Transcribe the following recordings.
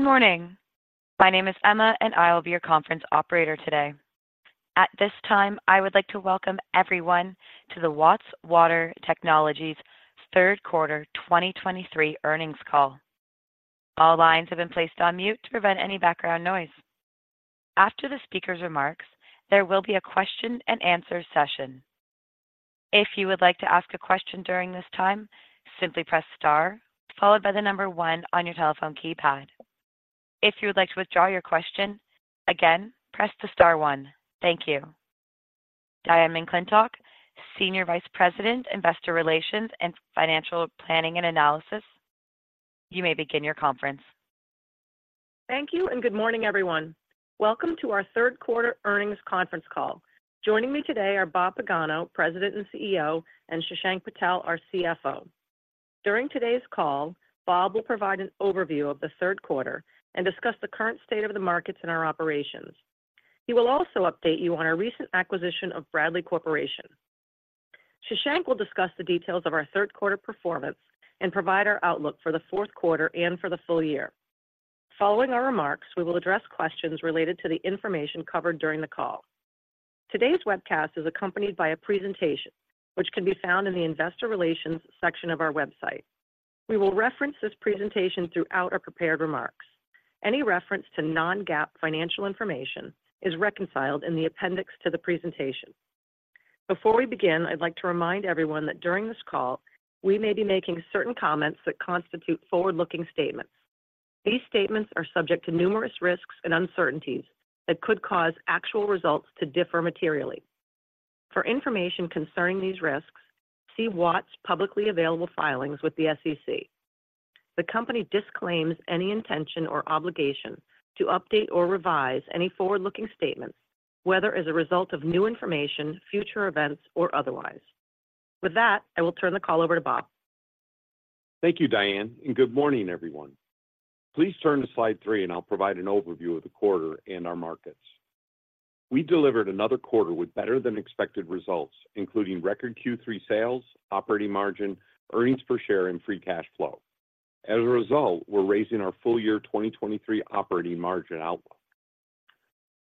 Good morning. My name is Emma, and I will be your conference operator today. At this time, I would like to welcome everyone to the Watts Water Technologies third quarter 2023 earnings call. All lines have been placed on mute to prevent any background noise. After the speaker's remarks, there will be a question and answer session. If you would like to ask a question during this time, simply press star, followed by the number 1 on your telephone keypad. If you would like to withdraw your question, again, press the star 1. Thank you. Diane McClintock, Senior Vice President, Investor Relations and Financial Planning and Analysis, you may begin your conference. Thank you, and good morning, everyone. Welcome to our third quarter earnings conference call. Joining me today are Bob Pagano, President and CEO, and Shashank Patel, our CFO. During today's call, Bob will provide an overview of the third quarter and discuss the current state of the markets and our operations. He will also update you on our recent acquisition of Bradley Corporation. Shashank will discuss the details of our third quarter performance and provide our outlook for the fourth quarter and for the full year. Following our remarks, we will address questions related to the information covered during the call. Today's webcast is accompanied by a presentation, which can be found in the Investor Relations section of our website. We will reference this presentation throughout our prepared remarks. Any reference to non-GAAP financial information is reconciled in the appendix to the presentation. Before we begin, I'd like to remind everyone that during this call, we may be making certain comments that constitute forward-looking statements. These statements are subject to numerous risks and uncertainties that could cause actual results to differ materially. For information concerning these risks, see Watts' publicly available filings with the SEC. The company disclaims any intention or obligation to update or revise any forward-looking statements, whether as a result of new information, future events, or otherwise. With that, I will turn the call over to Bob. Thank you, Diane, and good morning, everyone. Please turn to slide 3, and I'll provide an overview of the quarter and our markets. We delivered another quarter with better-than-expected results, including record Q3 sales, operating margin, earnings per share, and free cash flow. As a result, we're raising our full year 2023 operating margin outlook.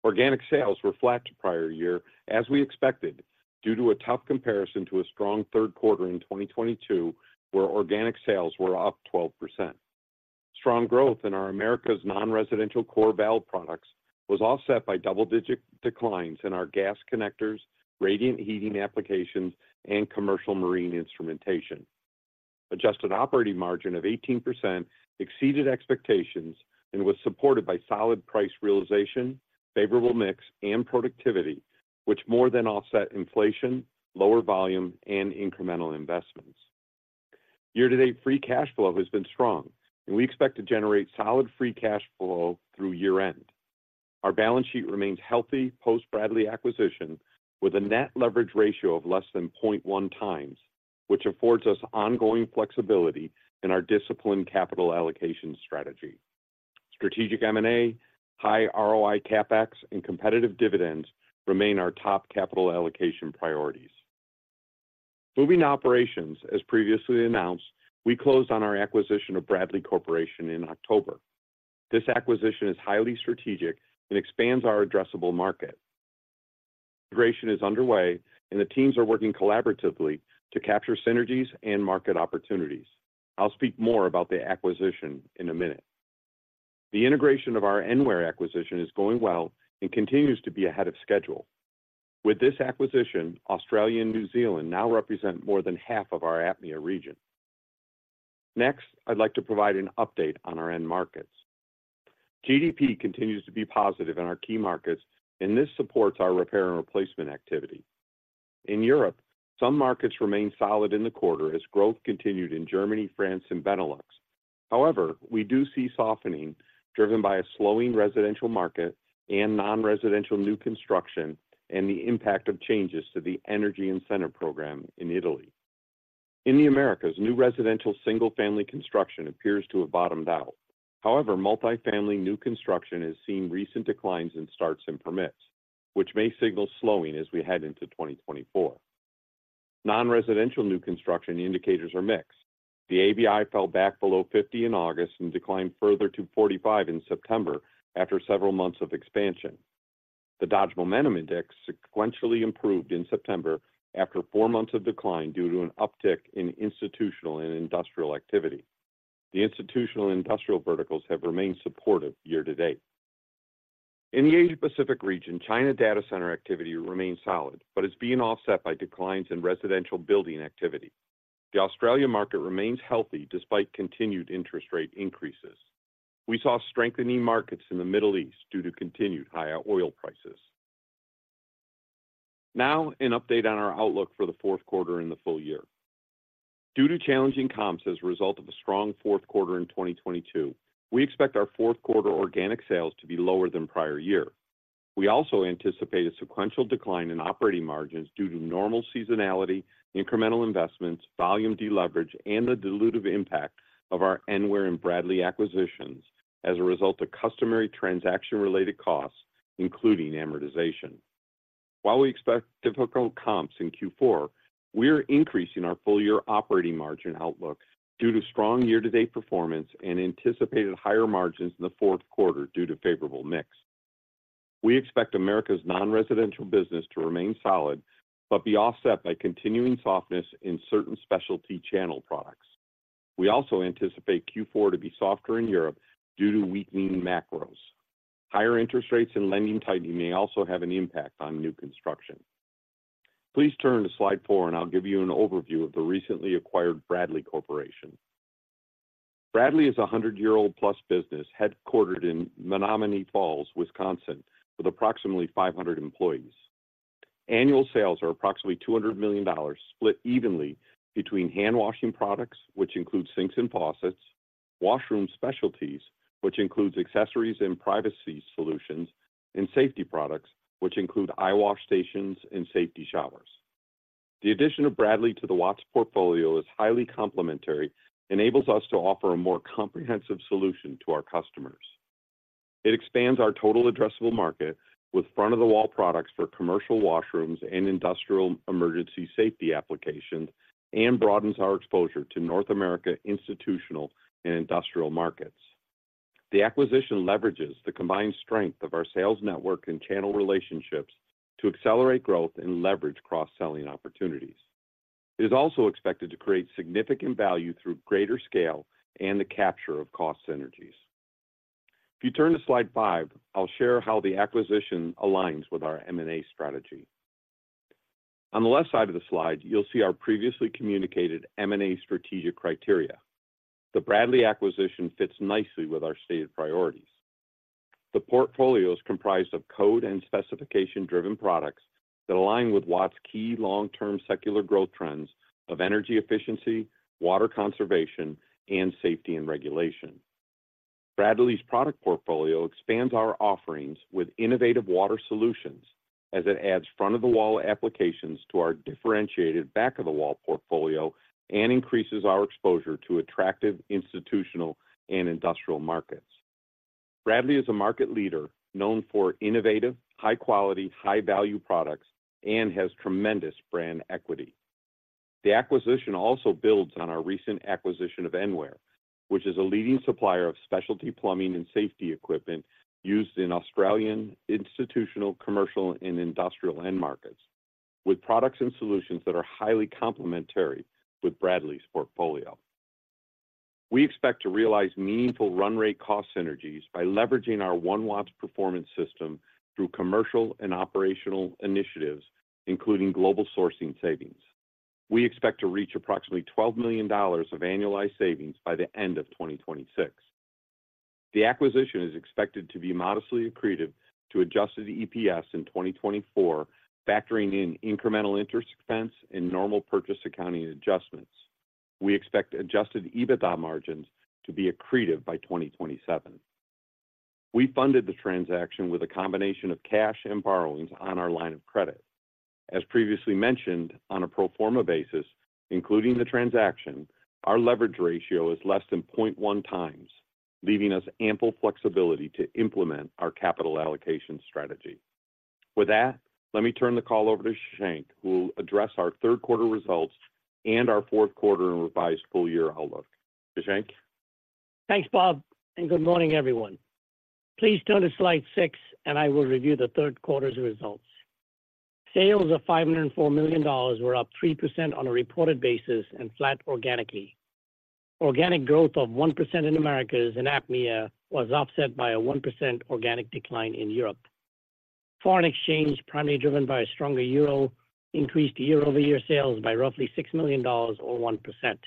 Organic sales were flat to prior year, as we expected, due to a tough comparison to a strong third quarter in 2022, where organic sales were up 12%. Strong growth in our Americas non-residential core valve products was offset by double-digit declines in our gas connectors, radiant heating applications, and commercial marine instrumentation. Adjusted operating margin of 18% exceeded expectations and was supported by solid price realization, favorable mix, and productivity, which more than offset inflation, lower volume, and incremental investments. Year-to-date, free cash flow has been strong, and we expect to generate solid free cash flow through year-end. Our balance sheet remains healthy post-Bradley acquisition, with a net leverage ratio of less than 0.1 times, which affords us ongoing flexibility in our disciplined capital allocation strategy. Strategic M&A, high ROI CapEx, and competitive dividends remain our top capital allocation priorities. Moving to operations, as previously announced, we closed on our acquisition of Bradley Corporation in October. This acquisition is highly strategic and expands our addressable market. Integration is underway, and the teams are working collaboratively to capture synergies and market opportunities. I'll speak more about the acquisition in a minute. The integration of our Enware acquisition is going well and continues to be ahead of schedule. With this acquisition, Australia and New Zealand now represent more than half of our APMEA region. Next, I'd like to provide an update on our end markets. GDP continues to be positive in our key markets, and this supports our repair and replacement activity. In Europe, some markets remained solid in the quarter as growth continued in Germany, France, and Benelux. However, we do see softening, driven by a slowing residential market and non-residential new construction and the impact of changes to the energy incentive program in Italy. In the Americas, new residential single-family construction appears to have bottomed out. However, multifamily new construction has seen recent declines in starts and permits, which may signal slowing as we head into 2024. Non-residential new construction indicators are mixed. The ABI fell back below 50 in August and declined further to 45 in September after several months of expansion. The Dodge Momentum Index sequentially improved in September after four months of decline due to an uptick in institutional and industrial activity. The institutional and industrial verticals have remained supportive year to date. In the Asia-Pacific region, China data center activity remains solid but is being offset by declines in residential building activity. The Australia market remains healthy despite continued interest rate increases. We saw strengthening markets in the Middle East due to continued higher oil prices. Now, an update on our outlook for the fourth quarter and the full year. Due to challenging comps as a result of a strong fourth quarter in 2022, we expect our fourth quarter organic sales to be lower than prior year. We also anticipate a sequential decline in operating margins due to normal seasonality, incremental investments, volume deleverage, and the dilutive impact of our Enware and Bradley acquisitions as a result of customary transaction-related costs, including amortization. While we expect difficult comps in Q4, we are increasing our full-year operating margin outlook due to strong year-to-date performance and anticipated higher margins in the fourth quarter due to favorable mix. We expect Americas' non-residential business to remain solid, but be offset by continuing softness in certain specialty channel products. We also anticipate Q4 to be softer in Europe due to weakening macros. Higher interest rates and lending tightening may also have an impact on new construction. Please turn to slide 4, and I'll give you an overview of the recently acquired Bradley Corporation. Bradley is a 100-year-old plus business, headquartered in Menomonee Falls, Wisconsin, with approximately 500 employees. Annual sales are approximately $200 million, split evenly between handwashing products, which include sinks and faucets, washroom specialties, which includes accessories and privacy solutions, and safety products, which include eyewash stations and safety showers. The addition of Bradley to the Watts portfolio is highly complementary, enables us to offer a more comprehensive solution to our customers. It expands our total addressable market with front-of-the-wall products for commercial washrooms and industrial emergency safety applications, and broadens our exposure to North America institutional and industrial markets. The acquisition leverages the combined strength of our sales network and channel relationships to accelerate growth and leverage cross-selling opportunities. It is also expected to create significant value through greater scale and the capture of cost synergies. If you turn to slide 5, I'll share how the acquisition aligns with our M&A strategy. On the left side of the slide, you'll see our previously communicated M&A strategic criteria. The Bradley acquisition fits nicely with our stated priorities. The portfolio is comprised of code and specification-driven products that align with Watts' key long-term secular growth trends of energy efficiency, water conservation, and safety and regulation. Bradley's product portfolio expands our offerings with innovative water solutions as it adds front-of-the-wall applications to our differentiated back-of-the-wall portfolio and increases our exposure to attractive institutional and industrial markets. Bradley is a market leader known for innovative, high-quality, high-value products and has tremendous brand equity. The acquisition also builds on our recent acquisition of Enware, which is a leading supplier of specialty plumbing and safety equipment used in Australian, institutional, commercial, and industrial end markets, with products and solutions that are highly complementary with Bradley's portfolio. We expect to realize meaningful run rate cost synergies by leveraging our One Watts Performance System through commercial and operational initiatives, including global sourcing savings. We expect to reach approximately $12 million of annualized savings by the end of 2026. The acquisition is expected to be modestly accretive to adjusted EPS in 2024, factoring in incremental interest expense and normal purchase accounting adjustments. We expect adjusted EBITDA margins to be accretive by 2027. We funded the transaction with a combination of cash and borrowings on our line of credit. As previously mentioned, on a pro forma basis, including the transaction, our leverage ratio is less than 0.1x, leaving us ample flexibility to implement our capital allocation strategy. With that, let me turn the call over to Shashank, who will address our third quarter results and our fourth quarter and revised full-year outlook. Shashank? Thanks, Bob, and good morning, everyone. Please turn to slide 6, and I will review the third quarter's results. Sales of $504 million were up 3% on a reported basis and flat organically. Organic growth of 1% in Americas and APMEA was offset by a 1% organic decline in Europe. Foreign exchange, primarily driven by a stronger euro, increased year-over-year sales by roughly $6 million or 1%.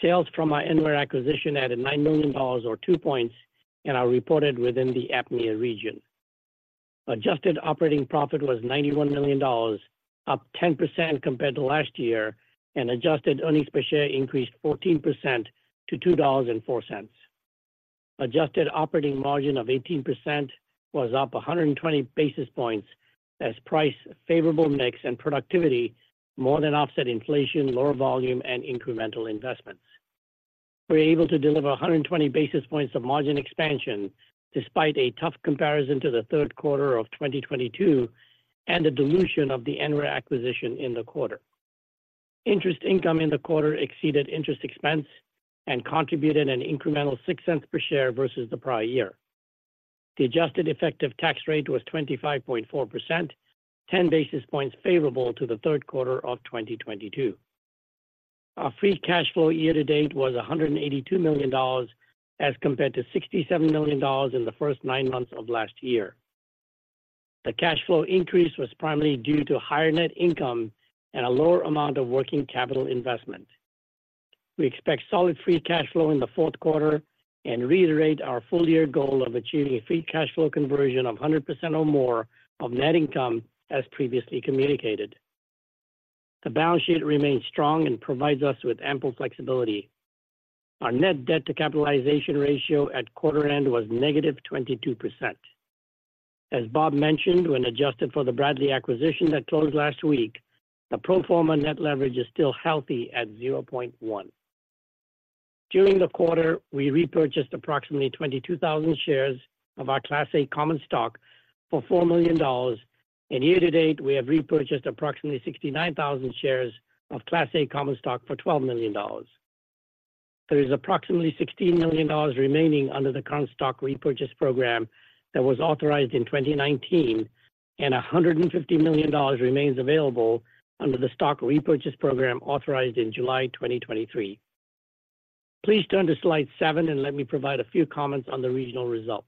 Sales from our Enware acquisition added $9 million or 2 points and are reported within the APMEA region. Adjusted operating profit was $91 million, up 10% compared to last year, and adjusted earnings per share increased 14% to $2.04. Adjusted operating margin of 18% was up 120 basis points as price, favorable mix, and productivity more than offset inflation, lower volume, and incremental investments. We were able to deliver 120 basis points of margin expansion despite a tough comparison to the third quarter of 2022 and the dilution of the Enware acquisition in the quarter. Interest income in the quarter exceeded interest expense and contributed an incremental $0.06 per share versus the prior year. The adjusted effective tax rate was 25.4%, 10 basis points favorable to the third quarter of 2022. Our free cash flow year to date was $182 million, as compared to $67 million in the first nine months of last year. The cash flow increase was primarily due to higher net income and a lower amount of working capital investment. We expect solid free cash flow in the fourth quarter and reiterate our full-year goal of achieving a free cash flow conversion of 100% or more of net income, as previously communicated. The balance sheet remains strong and provides us with ample flexibility. Our net debt to capitalization ratio at quarter end was -22%. As Bob mentioned, when adjusted for the Bradley acquisition that closed last week, the pro forma net leverage is still healthy at 0.1.... During the quarter, we repurchased approximately 22,000 shares of our Class A common stock for $4 million, and year to date, we have repurchased approximately 69,000 shares of Class A common stock for $12 million. There is approximately $16 million remaining under the current stock repurchase program that was authorized in 2019, and $150 million remains available under the stock repurchase program authorized in July 2023. Please turn to slide 7, and let me provide a few comments on the regional results.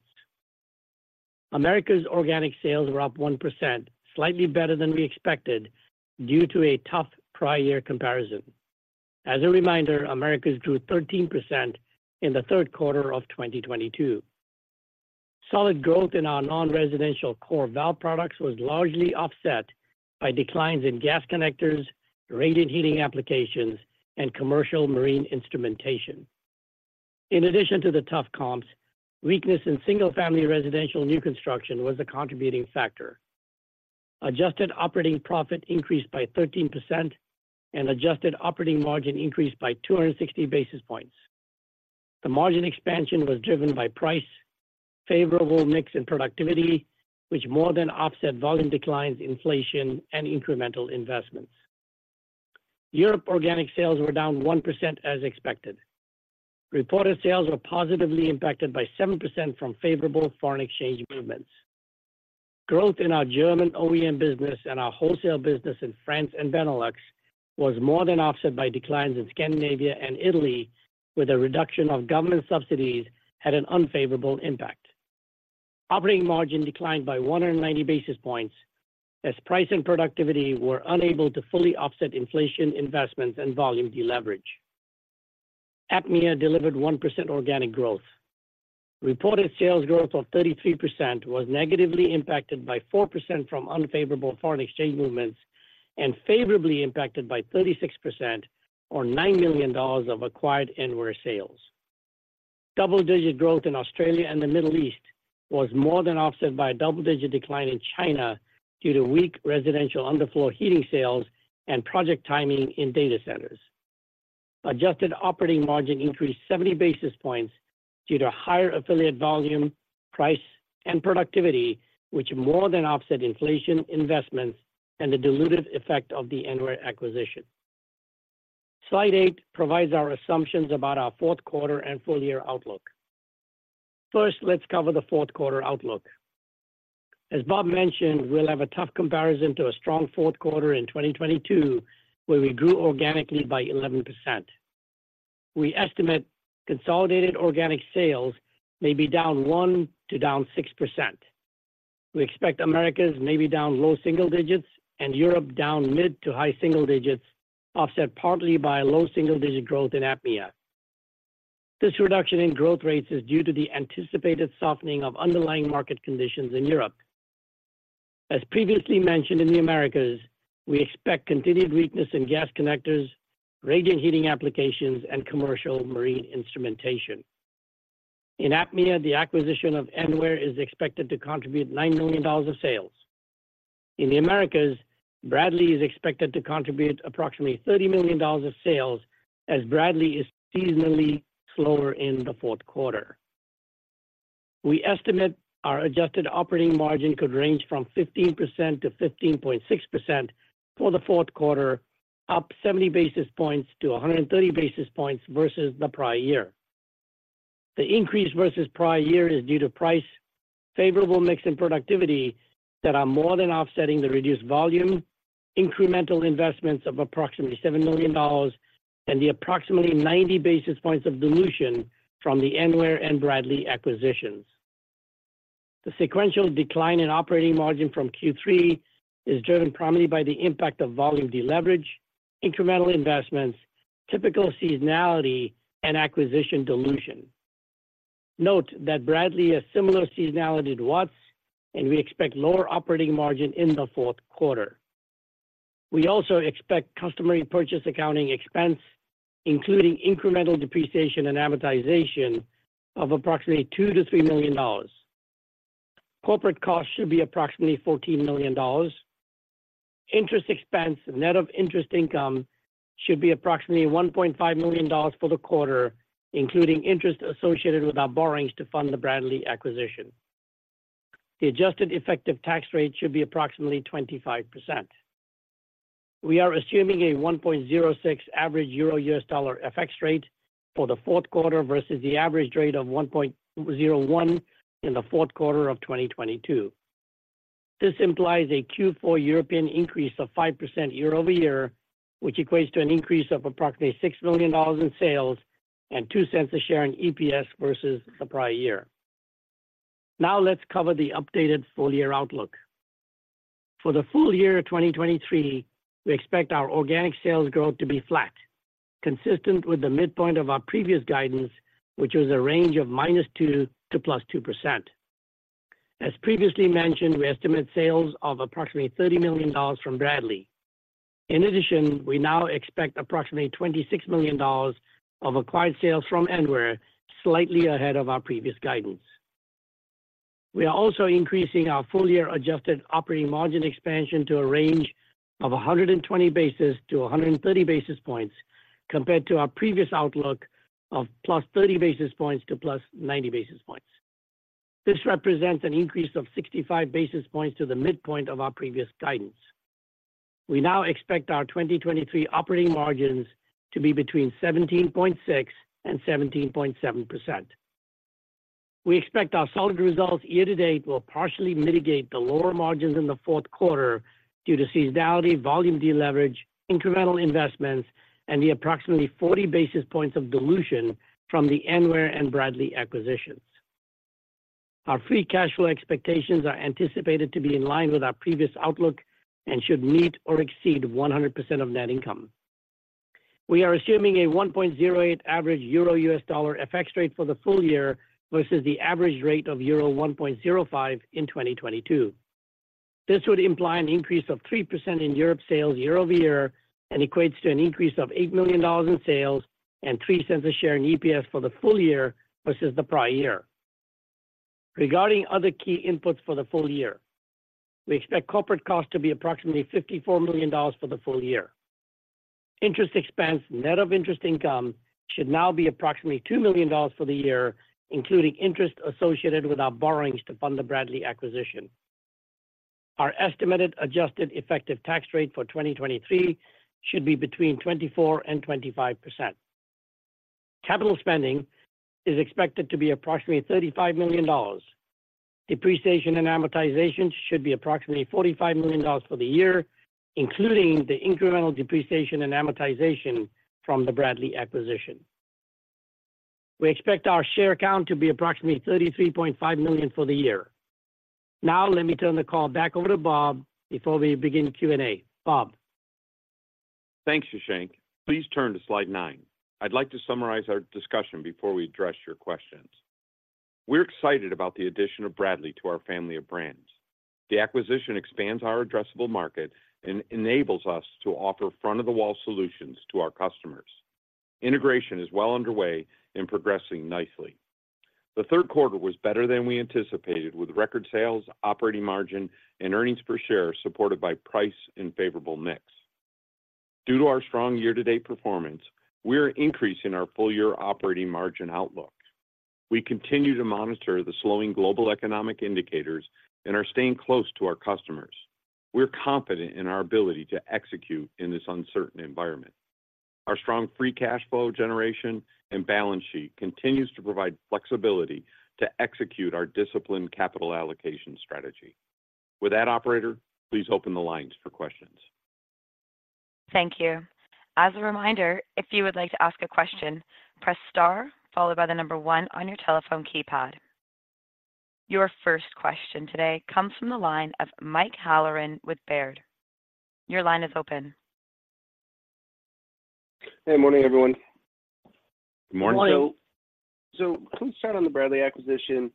Americas organic sales were up 1%, slightly better than we expected, due to a tough prior year comparison. As a reminder, Americas grew 13% in the third quarter of 2022. Solid growth in our non-residential core valve products was largely offset by declines in gas connectors, radiant heating applications, and commercial marine instrumentation. In addition to the tough comps, weakness in single-family residential new construction was a contributing factor. Adjusted operating profit increased by 13%, and adjusted operating margin increased by 260 basis points. The margin expansion was driven by price, favorable mix, and productivity, which more than offset volume declines, inflation, and incremental investments. Europe organic sales were down 1% as expected. Reported sales were positively impacted by 7% from favorable foreign exchange movements. Growth in our German OEM business and our wholesale business in France and Benelux was more than offset by declines in Scandinavia and Italy, where the reduction of government subsidies had an unfavorable impact. Operating margin declined by 190 basis points, as price and productivity were unable to fully offset inflation, investments, and volume deleverage. APMEA delivered 1% organic growth. Reported sales growth of 33% was negatively impacted by 4% from unfavorable foreign exchange movements and favorably impacted by 36% or $9 million of acquired Enware sales. Double-digit growth in Australia and the Middle East was more than offset by a double-digit decline in China due to weak residential underfloor heating sales and project timing in data centers. Adjusted operating margin increased 70 basis points due to higher affiliate volume, price, and productivity, which more than offset inflation, investments, and the dilutive effect of the Enware acquisition. Slide 8 provides our assumptions about our fourth quarter and full-year outlook. First, let's cover the fourth quarter outlook. As Bob mentioned, we'll have a tough comparison to a strong fourth quarter in 2022, where we grew organically by 11%. We estimate consolidated organic sales may be down 1%-6%. We expect Americas may be down low single digits and Europe down mid to high single digits, offset partly by low single-digit growth in APMEA. This reduction in growth rates is due to the anticipated softening of underlying market conditions in Europe. As previously mentioned in the Americas, we expect continued weakness in gas connectors, radiant heating applications, and commercial marine instrumentation. In APMEA, the acquisition of Enware is expected to contribute $9 million of sales. In the Americas, Bradley is expected to contribute approximately $30 million of sales, as Bradley is seasonally slower in the fourth quarter. We estimate our adjusted operating margin could range from 15%-15.6% for the fourth quarter, up 70 basis points to 130 basis points versus the prior year. The increase versus prior year is due to price, favorable mix, and productivity that are more than offsetting the reduced volume, incremental investments of approximately $7 million, and the approximately 90 basis points of dilution from the Enware and Bradley acquisitions. The sequential decline in operating margin from Q3 is driven primarily by the impact of volume deleverage, incremental investments, typical seasonality, and acquisition dilution. Note that Bradley has similar seasonality to Watts, and we expect lower operating margin in the fourth quarter. We also expect customary purchase accounting expense, including incremental depreciation and amortization of approximately $2 million-$3 million. Corporate costs should be approximately $14 million. Interest expense, net of interest income, should be approximately $1.5 million for the quarter, including interest associated with our borrowings to fund the Bradley acquisition. The adjusted effective tax rate should be approximately 25%. We are assuming a 1.06 average euro-US dollar FX rate for the fourth quarter versus the average rate of 1.01 in the fourth quarter of 2022. This implies a Q4 European increase of 5% year-over-year, which equates to an increase of approximately $6 million in sales and $0.02 a share in EPS versus the prior year. Now let's cover the updated full-year outlook. For the full year of 2023, we expect our organic sales growth to be flat, consistent with the midpoint of our previous guidance, which was a range of -2% to +2%. As previously mentioned, we estimate sales of approximately $30 million from Bradley. In addition, we now expect approximately $26 million of acquired sales from Enware, slightly ahead of our previous guidance.... We are also increasing our full-year adjusted operating margin expansion to a range of 120-130 basis points, compared to our previous outlook of +30 to +90 basis points. This represents an increase of 65 basis points to the midpoint of our previous guidance. We now expect our 2023 operating margins to be between 17.6% and 17.7%. We expect our solid results year to date will partially mitigate the lower margins in the fourth quarter due to seasonality, volume deleverage, incremental investments, and the approximately 40 basis points of dilution from the Enware and Bradley acquisitions. Our free cash flow expectations are anticipated to be in line with our previous outlook and should meet or exceed 100% of net income. We are assuming a 1.08 average euro-US dollar FX rate for the full year, versus the average rate of 1.05 in 2022. This would imply an increase of 3% in Europe sales year-over-year and equates to an increase of $8 million in sales and $0.03 per share in EPS for the full year versus the prior year. Regarding other key inputs for the full year, we expect corporate costs to be approximately $54 million for the full year. Interest expense, net of interest income, should now be approximately $2 million for the year, including interest associated with our borrowings to fund the Bradley acquisition. Our estimated adjusted effective tax rate for 2023 should be between 24%-25%. Capital spending is expected to be approximately $35 million. Depreciation and amortization should be approximately $45 million for the year, including the incremental depreciation and amortization from the Bradley acquisition. We expect our share count to be approximately 33.5 million for the year. Now, let me turn the call back over to Bob before we begin Q&A. Bob? Thanks, Shashank. Please turn to slide nine. I'd like to summarize our discussion before we address your questions. We're excited about the addition of Bradley to our family of brands. The acquisition expands our addressable market and enables us to offer front-of-the-wall solutions to our customers. Integration is well underway and progressing nicely. The third quarter was better than we anticipated, with record sales, operating margin, and earnings per share, supported by price and favorable mix. Due to our strong year-to-date performance, we are increasing our full-year operating margin outlook. We continue to monitor the slowing global economic indicators and are staying close to our customers. We're confident in our ability to execute in this uncertain environment. Our strong free cash flow generation and balance sheet continues to provide flexibility to execute our disciplined capital allocation strategy. With that, operator, please open the lines for questions. Thank you. As a reminder, if you would like to ask a question, press star followed by the number one on your telephone keypad. Your first question today comes from the line of Mike Halloran with Baird. Your line is open. Hey, morning, everyone. Morning. Morning. So, can we start on the Bradley acquisition?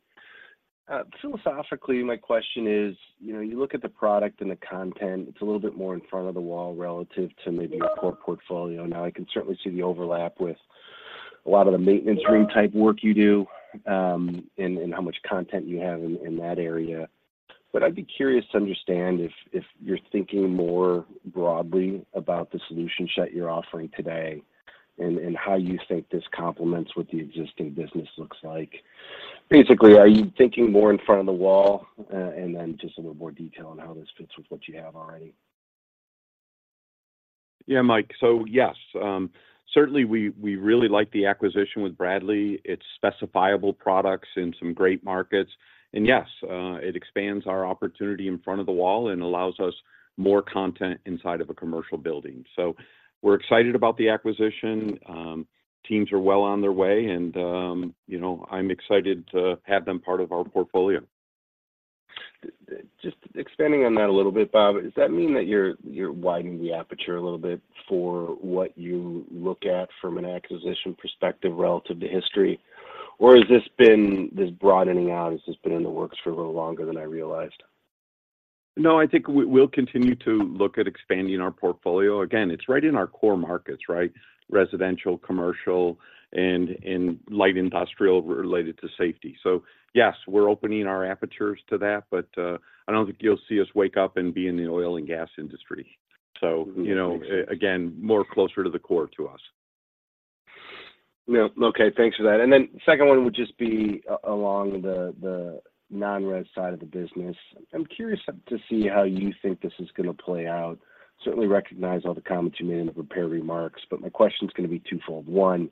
Philosophically, my question is: you know, you look at the product and the content, it's a little bit more in front of the wall relative to maybe your core portfolio. Now, I can certainly see the overlap with a lot of the maintenance room type work you do, and how much content you have in that area. But I'd be curious to understand if you're thinking more broadly about the solution set you're offering today and how you think this complements what the existing business looks like. Basically, are you thinking more in front of the wall? And then just a little more detail on how this fits with what you have already. Yeah, Mike. So, yes, certainly we really like the acquisition with Bradley. It's specifiable products in some great markets. And yes, it expands our opportunity in front of the wall and allows us more content inside of a commercial building. So we're excited about the acquisition. Teams are well on their way, and, you know, I'm excited to have them part of our portfolio. Just expanding on that a little bit, Bob, does that mean that you're, you're widening the aperture a little bit for what you look at from an acquisition perspective relative to history? Or has this broadening out been in the works for a little longer than I realized? No, I think we'll continue to look at expanding our portfolio. Again, it's right in our core markets, right? Residential, commercial, and light industrial related to safety. So yes, we're opening our apertures to that, but I don't think you'll see us wake up and be in the oil and gas industry. Mm-hmm. So, you know, again, more closer to the core to us. Yeah. Okay, thanks for that. Then second one would just be along the non-res side of the business. I'm curious to see how you think this is gonna play out. Certainly recognize all the comments you made in the prepared remarks, but my question is gonna be twofold. One,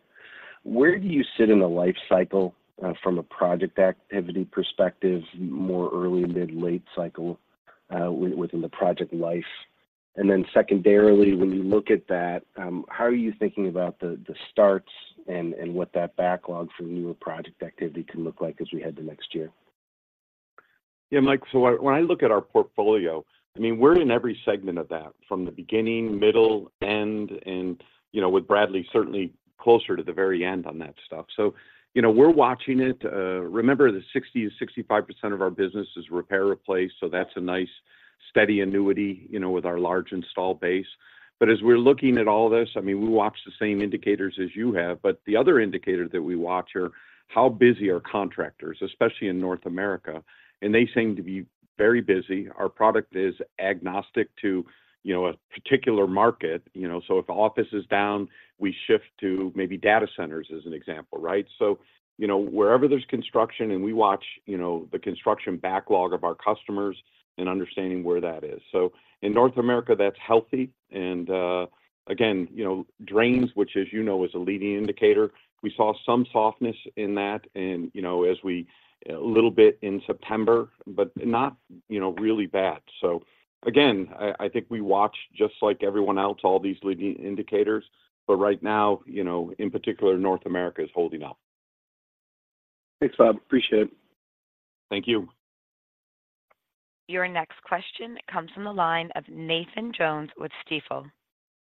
where do you sit in the life cycle from a project activity perspective, more early, mid, late cycle within the project life? And then secondarily, when you look at that, how are you thinking about the starts and what that backlog for newer project activity can look like as we head to next year? Yeah, Mike, so when, when I look at our portfolio, I mean, we're in every segment of that, from the beginning, middle, end, and, you know, with Bradley, certainly closer to the very end on that stuff. So, you know, we're watching it. Remember that 60%-65% of our business is repair, replace, so that's a nice steady annuity, you know, with our large install base. But as we're looking at all this, I mean, we watch the same indicators as you have, but the other indicator that we watch are how busy are contractors, especially in North America, and they seem to be very busy. Our product is agnostic to, you know, a particular market, you know. So if office is down, we shift to maybe data centers as an example, right? So, you know, wherever there's construction and we watch, you know, the construction backlog of our customers and understanding where that is. So in North America, that's healthy, and, again, you know, drains, which, as you know, is a leading indicator. We saw some softness in that and, you know, as a little bit in September, but not, you know, really bad. So again, I think we watch, just like everyone else, all these leading indicators, but right now, you know, in particular, North America is holding up. Thanks, Bob. Appreciate it. Thank you. Your next question comes from the line of Nathan Jones with Stifel.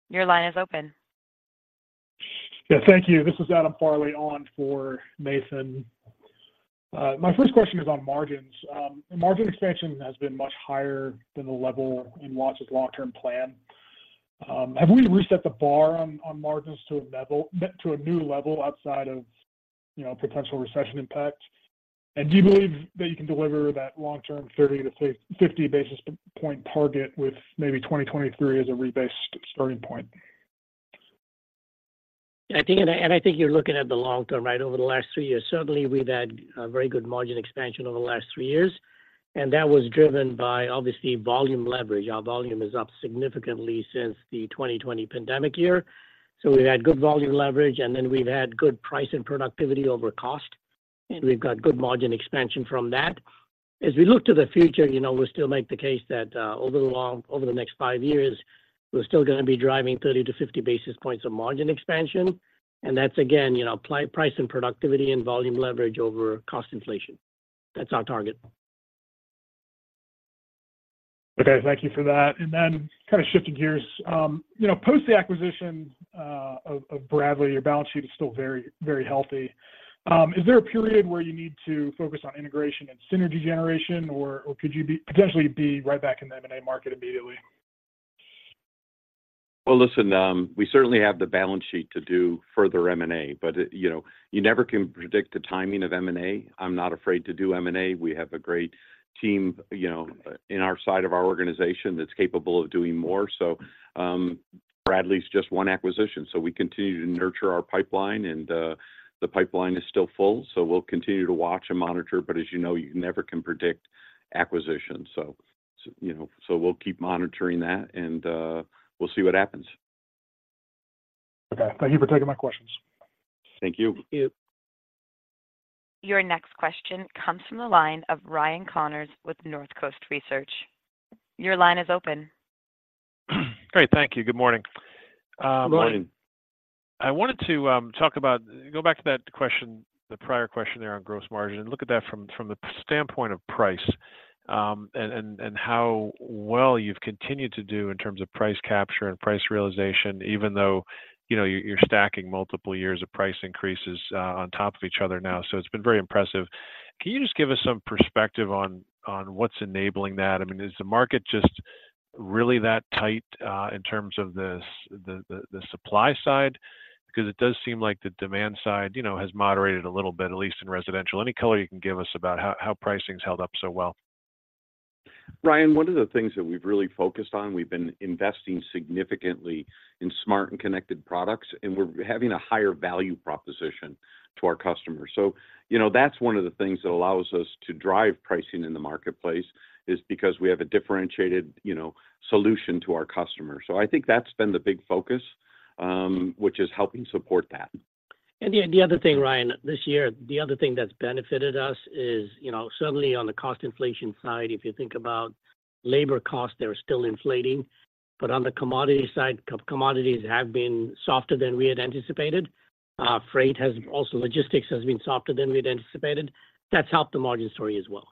Your line is open. Yeah, thank you. This is Adam Farley on for Nathan. My first question is on margins. Margin expansion has been much higher than the level in Watts's long-term plan. Have we reset the bar on margins to a new level outside of, you know, potential recession impact? And do you believe that you can deliver that long-term 30-50 basis points target with maybe 2023 as a rebase starting point? I think you're looking at the long term, right? Over the last three years, certainly we've had a very good margin expansion over the last three years, and that was driven by, obviously, volume leverage. Our volume is up significantly since the 2020 pandemic year. So we've had good volume leverage, and then we've had good price and productivity over cost, and we've got good margin expansion from that. As we look to the future, you know, we still make the case that over the next five years, we're still gonna be driving 30-50 basis points of margin expansion, and that's, again, you know, price and productivity and volume leverage over cost inflation. That's our target. Okay. Thank you for that. And then kind of shifting gears, you know, post the acquisition of Bradley, your balance sheet is still very, very healthy. Is there a period where you need to focus on integration and synergy generation, or could you potentially be right back in the M&A market immediately? Well, listen, we certainly have the balance sheet to do further M&A, but, you know, you never can predict the timing of M&A. I'm not afraid to do M&A. We have a great team, you know, in our side of our organization that's capable of doing more. So, Bradley's just one acquisition, so we continue to nurture our pipeline, and, the pipeline is still full, so we'll continue to watch and monitor, but as you know, you never can predict acquisition. So, you know, so we'll keep monitoring that, and, we'll see what happens. Okay. Thank you for taking my questions. Thank you. Thank you. Your next question comes from the line of Ryan Connors with North Coast Research. Your line is open. Great, thank you. Good morning. Good morning. I wanted to talk about... go back to that question, the prior question there on gross margin, and look at that from the standpoint of price, and how well you've continued to do in terms of price capture and price realization, even though, you know, you're stacking multiple years of price increases on top of each other now. So it's been very impressive. Can you just give us some perspective on what's enabling that? I mean, is the market just really that tight in terms of the supply side? Because it does seem like the demand side, you know, has moderated a little bit, at least in residential. Any color you can give us about how pricing's held up so well? Ryan, one of the things that we've really focused on, we've been investing significantly in smart and connected products, and we're having a higher value proposition to our customers. So, you know, that's one of the things that allows us to drive pricing in the marketplace, is because we have a differentiated, you know, solution to our customers. So I think that's been the big focus, which is helping support that. And the other thing, Ryan, this year, the other thing that's benefited us is, you know, certainly on the cost inflation side, if you think about labor costs, they're still inflating, but on the commodity side, commodities have been softer than we had anticipated. Freight has also... logistics has been softer than we'd anticipated. That's helped the margin story as well.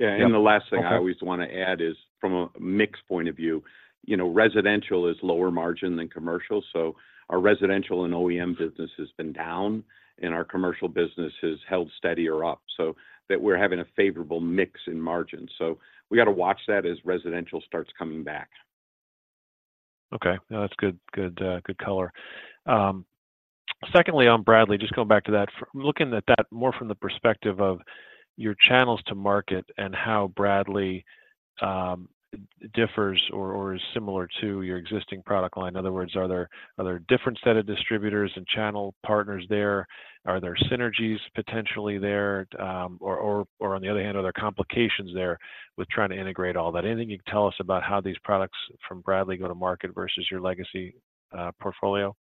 Yeah, and the last thing- Okay... I always want to add is from a mix point of view, you know, residential is lower margin than commercial, so our residential and OEM business has been down, and our commercial business has held steady or up, so that we're having a favorable mix in margin. So we got to watch that as residential starts coming back. Okay. No, that's good, good, good color. Secondly, on Bradley, just going back to that, looking at that more from the perspective of your channels to market and how Bradley differs or is similar to your existing product line. In other words, are there a different set of distributors and channel partners there? Are there synergies potentially there? Or on the other hand, are there complications there with trying to integrate all that? Anything you can tell us about how these products from Bradley go to market versus your legacy portfolio?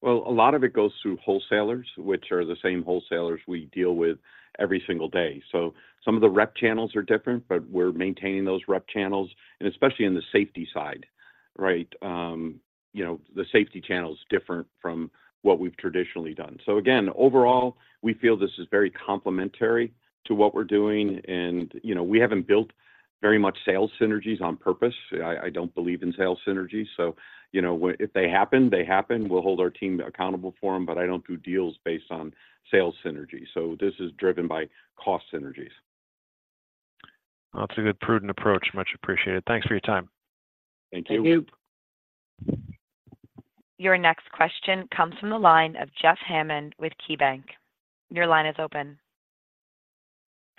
Well, a lot of it goes through wholesalers, which are the same wholesalers we deal with every single day. So some of the rep channels are different, but we're maintaining those rep channels, and especially in the safety side, right? You know, the safety channel is different from what we've traditionally done. So again, overall, we feel this is very complementary to what we're doing, and, you know, we haven't built very much sales synergies on purpose. I don't believe in sales synergies, so, you know, if they happen, they happen. We'll hold our team accountable for them, but I don't do deals based on sales synergy. So this is driven by cost synergies. That's a good, prudent approach. Much appreciated. Thanks for your time. Thank you. Thank you!... Your next question comes from the line of Jeff Hammond with KeyBanc. Your line is open.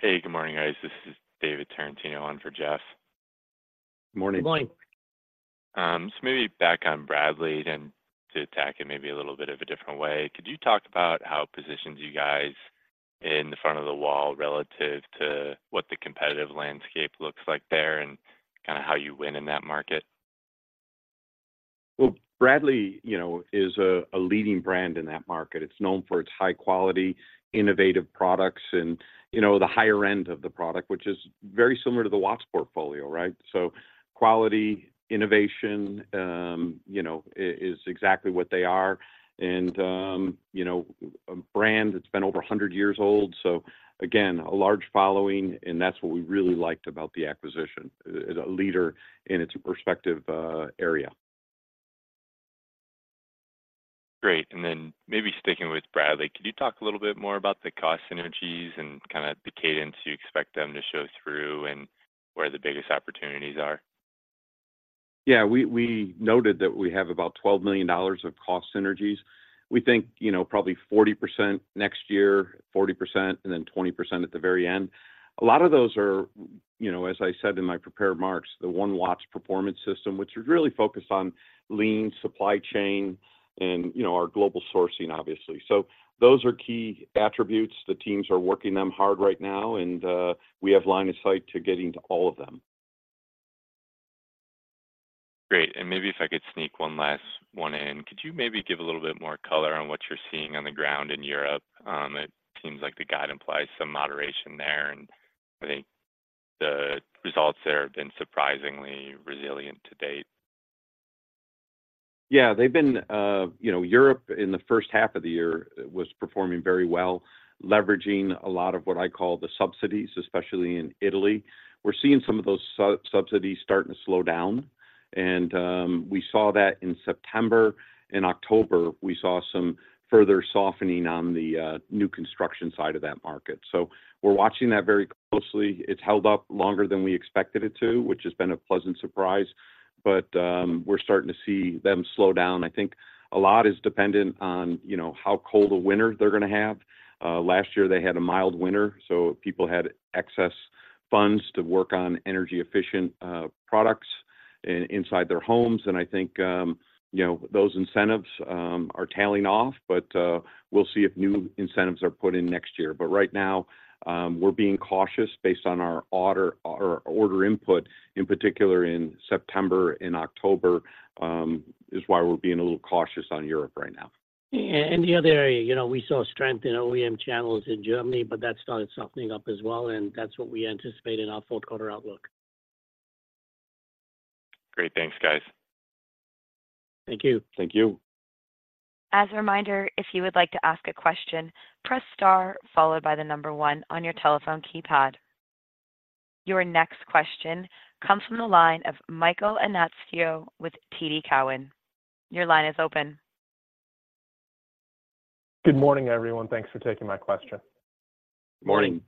Hey, good morning, guys. This is David Tarantino on for Jeff. Morning. Good morning. So maybe back on Bradley, and to attack it maybe a little bit of a different way, could you talk about how it positions you guys in the front of the wall relative to what the competitive landscape looks like there and kind of how you win in that market? Well, Bradley, you know, is a leading brand in that market. It's known for its high quality, innovative products and, you know, the higher end of the product, which is very similar to the Watts portfolio, right? So quality, innovation, you know, is exactly what they are, and, you know, a brand that's been over a hundred years old. So again, a large following, and that's what we really liked about the acquisition, a leader in its respective area. Great. And then maybe sticking with Bradley, could you talk a little bit more about the cost synergies and kind of the cadence you expect them to show through and where the biggest opportunities are? Yeah, we noted that we have about $12 million of cost synergies. We think, you know, probably 40% next year, 40%, and then 20% at the very end. A lot of those are, you know, as I said in my prepared remarks, the One Watts Performance System, which is really focused on lean supply chain and, you know, our global sourcing, obviously. So those are key attributes. The teams are working them hard right now, and we have line of sight to getting to all of them. Great. Maybe if I could sneak one last one in. Could you maybe give a little bit more color on what you're seeing on the ground in Europe? It seems like the guide implies some moderation there, and I think the results there have been surprisingly resilient to date. Yeah, they've been, you know, Europe, in the first half of the year, was performing very well, leveraging a lot of what I call the subsidies, especially in Italy. We're seeing some of those subsidies starting to slow down, and, we saw that in September and October. We saw some further softening on the, new construction side of that market. So we're watching that very closely. It's held up longer than we expected it to, which has been a pleasant surprise, but, we're starting to see them slow down. I think a lot is dependent on, you know, how cold a winter they're gonna have. Last year they had a mild winter, so people had excess funds to work on energy-efficient, products inside their homes. I think, you know, those incentives are tailing off, but we'll see if new incentives are put in next year. But right now, we're being cautious based on our order, or order input, in particular in September and October, is why we're being a little cautious on Europe right now. The other area, you know, we saw strength in OEM channels in Germany, but that started softening up as well, and that's what we anticipate in our fourth quarter outlook. Great. Thanks, guys. Thank you. Thank you. As a reminder, if you would like to ask a question, press star followed by the number one on your telephone keypad. Your next question comes from the line of Michael Anastasiou with TD Cowen. Your line is open. Good morning, everyone. Thanks for taking my question. Morning.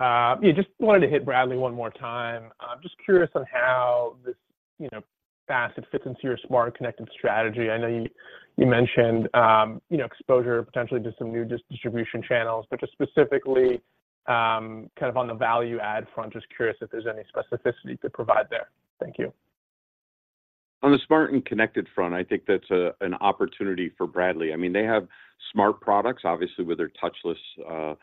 Yeah, just wanted to hit Bradley one more time. I'm just curious on how this, you know, facet fits into your smart connected strategy. I know you, you mentioned, you know, exposure potentially to some new distribution channels, but just specifically, kind of on the value add front, just curious if there's any specificity to provide there. Thank you. On the smart and connected front, I think that's an opportunity for Bradley. I mean, they have smart products, obviously, with their touchless faucets,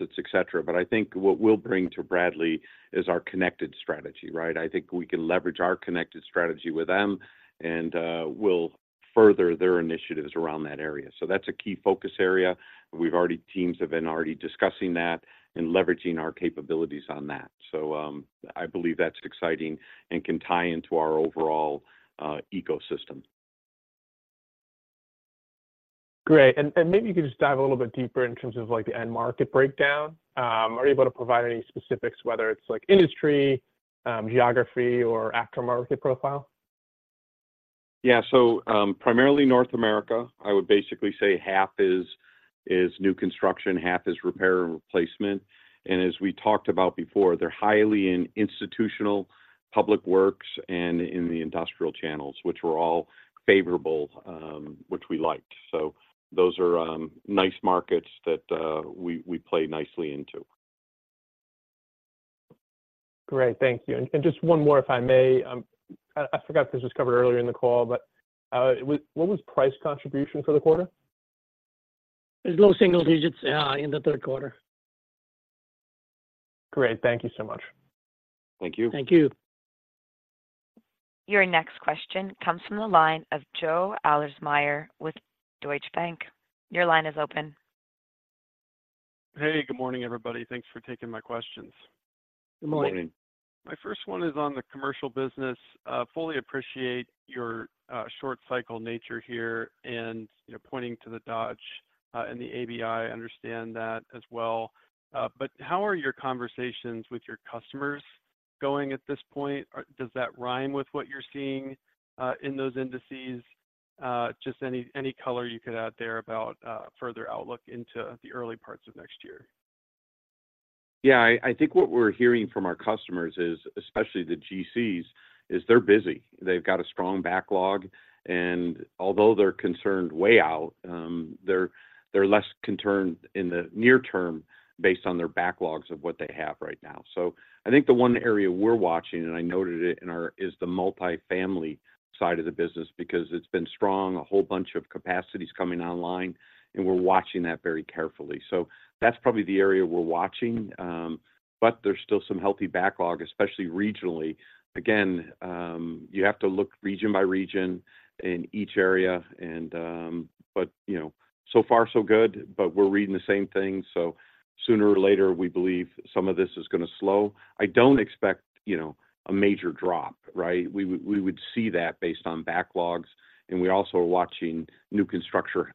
et cetera. But I think what we'll bring to Bradley is our connected strategy, right? I think we can leverage our connected strategy with them, and we'll further their initiatives around that area. So that's a key focus area. We've already, teams have been already discussing that and leveraging our capabilities on that. So I believe that's exciting and can tie into our overall ecosystem. Great. And maybe you can just dive a little bit deeper in terms of, like, the end market breakdown. Are you able to provide any specifics, whether it's like industry, geography, or aftermarket profile? Yeah. So, primarily North America, I would basically say half is new construction, half is repair and replacement. And as we talked about before, they're highly in institutional public works and in the industrial channels, which were all favorable, which we liked. So those are nice markets that we play nicely into. Great, thank you. And just one more, if I may. I forgot this was covered earlier in the call, but what was price contribution for the quarter? It was low single digits in the third quarter. Great. Thank you so much. Thank you. Thank you. Your next question comes from the line of Joe Ahlersmeyer with Deutsche Bank. Your line is open. Hey, good morning, everybody. Thanks for taking my questions. Good morning. Morning. My first one is on the commercial business. Fully appreciate your short cycle nature here and, you know, pointing to the Dodge and the ABI, I understand that as well. But how are your conversations with your customers going at this point? Does that rhyme with what you're seeing in those indices? Just any color you could add there about further outlook into the early parts of next year?... Yeah, I think what we're hearing from our customers is, especially the GCs, is they're busy. They've got a strong backlog, and although they're concerned way out, they're less concerned in the near term based on their backlogs of what they have right now. So I think the one area we're watching, and I noted it in our, is the multifamily side of the business, because it's been strong, a whole bunch of capacity's coming online, and we're watching that very carefully. So that's probably the area we're watching, but there's still some healthy backlog, especially regionally. Again, you have to look region by region in each area, and, but, you know, so far so good. But we're reading the same thing, so sooner or later, we believe some of this is gonna slow. I don't expect, you know, a major drop, right? We would see that based on backlogs, and we also are watching new construction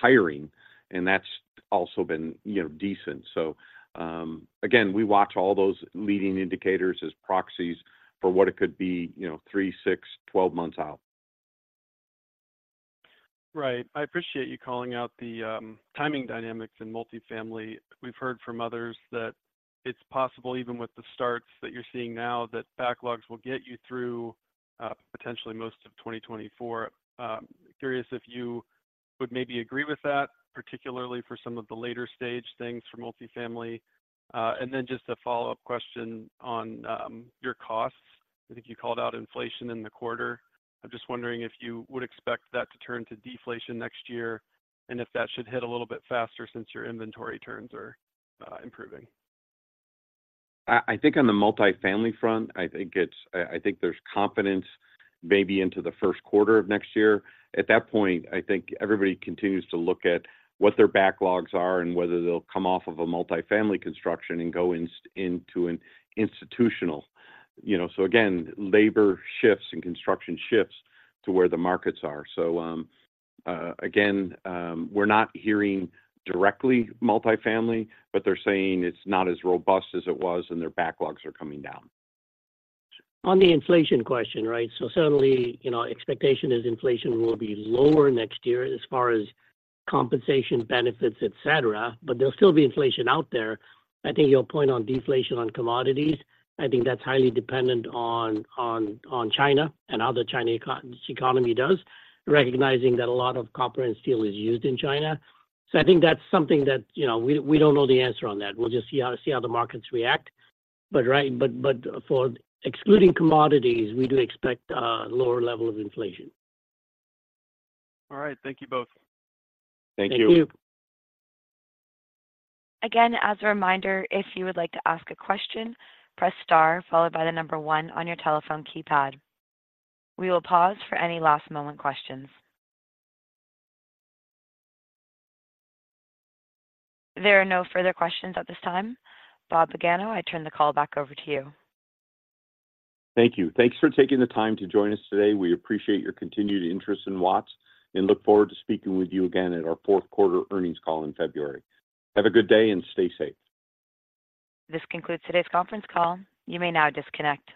hiring, and that's also been, you know, decent. So, again, we watch all those leading indicators as proxies for what it could be, you know, 3, 6, 12 months out. Right. I appreciate you calling out the timing dynamics in multifamily. We've heard from others that it's possible, even with the starts that you're seeing now, that backlogs will get you through potentially most of 2024. Curious if you would maybe agree with that, particularly for some of the later stage things for multifamily? And then just a follow-up question on your costs. I think you called out inflation in the quarter. I'm just wondering if you would expect that to turn to deflation next year, and if that should hit a little bit faster since your inventory turns are improving. I think on the multifamily front, I think there's confidence maybe into the first quarter of next year. At that point, I think everybody continues to look at what their backlogs are and whether they'll come off of a multifamily construction and go into an institutional. You know, so again, labor shifts and construction shifts to where the markets are. So, again, we're not hearing directly multifamily, but they're saying it's not as robust as it was, and their backlogs are coming down. On the inflation question, right, so certainly, you know, expectation is inflation will be lower next year as far as compensation, benefits, et cetera, but there'll still be inflation out there. I think your point on deflation on commodities, I think that's highly dependent on China and how the Chinese economy does, recognizing that a lot of copper and steel is used in China. So I think that's something that, you know, we don't know the answer on that. We'll just see how the markets react. But for excluding commodities, we do expect a lower level of inflation. All right. Thank you both. Thank you. Thank you. Again, as a reminder, if you would like to ask a question, press star, followed by the number one on your telephone keypad. We will pause for any last-moment questions. There are no further questions at this time. Bob Pagano, I turn the call back over to you. Thank you. Thanks for taking the time to join us today. We appreciate your continued interest in Watts and look forward to speaking with you again at our fourth quarter earnings call in February. Have a good day, and stay safe. This concludes today's conference call. You may now disconnect.